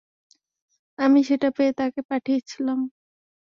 আমি সেটা পেয়ে তাকে পাঠিয়েছিলাম।